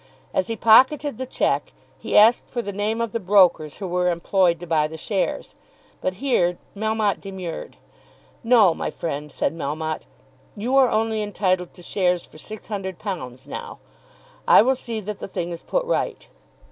As he pocketed the cheque he asked for the name of the brokers who were employed to buy the shares. But here Melmotte demurred. "No, my friend," said Melmotte; "you are only entitled to shares for £600 pounds now. I will see that the thing is put right."